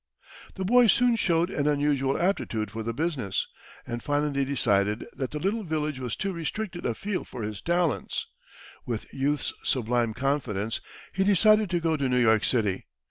The boy soon showed an unusual aptitude for the business, and finally decided that the little village was too restricted a field for his talents. With youth's sublime confidence, he decided to go to New York City.